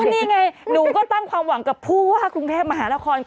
นี่ไงหนูก็ตั้งความหวังกับผู้ว่ากรุงเทพมหานคร